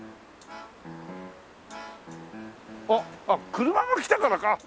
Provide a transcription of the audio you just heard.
あっ車が来たからか。